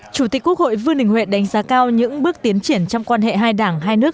chủ tịch quốc hội vương đình huệ đánh giá cao những bước tiến triển trong quan hệ hai đảng hai nước